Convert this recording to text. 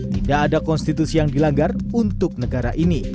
tidak ada konstitusi yang dilanggar untuk negara ini